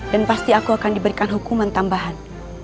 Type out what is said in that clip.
dan pasti aku akan diberikan hukuman tambahan